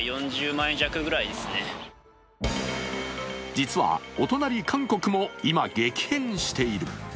実はお隣・韓国も今、激変している。